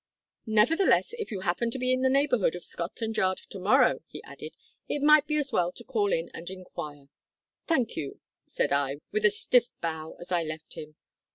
"`Nevertheless if you happen to be in the neighbourhood of Scotland Yard to morrow,' he added, `it might be as well to call in and inquire.' "`Thank you,' said I, with a stiff bow as I left him.